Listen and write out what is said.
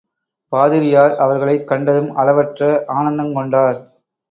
பாதிரியார் அவர்களைக் கண்டதும் அளவற்ற ஆனந்தங்கொண்டார்.